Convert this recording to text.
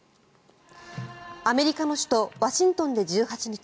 アメリカの首都ワシントンで１８日